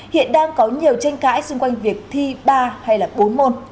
hiện đang có nhiều tranh cãi xung quanh việc thi ba hay là bốn môn